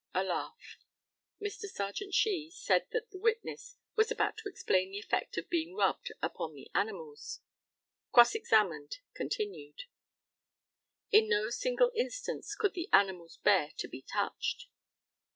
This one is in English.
(A laugh.) Mr. Serjeant SHEE said the witness was about to explain the effect of being rubbed upon the animals. Cross examined continued: In no single instance could the animals bear to be touched.